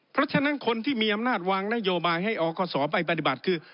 เพราะฉะนั้นคนที่มีอำนาจวางนโยบายให้อคศไปปฏิบัติคือ